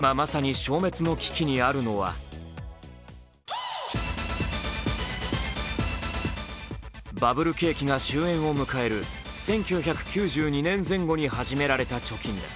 今まさに消滅の危機にあるのはバブル景気が終えんを迎える１９９２年前後に始められた貯金です。